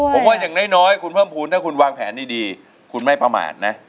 ผมว่าอย่างน้อยคุณเพิ่มภูมิถ้าคุณวางแผนดีคุณไม่ประมาทนะ